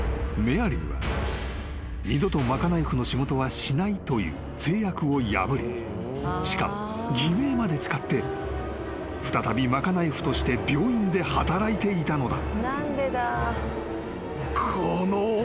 ［メアリーは二度と賄い婦の仕事はしないという誓約を破りしかも偽名まで使って再び賄い婦として病院で働いていたのだ］